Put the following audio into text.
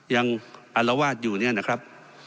ยังอารวาสอยู่นี่นะครับ